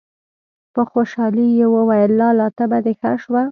په خوشالي يې وويل: لالا! تبه دې ښه شوه!!!